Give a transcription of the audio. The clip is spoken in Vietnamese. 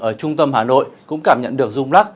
ở trung tâm hà nội cũng cảm nhận được rung lắc